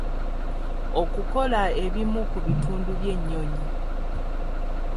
Okukola ebimu ku bitundu by’ennyonyi.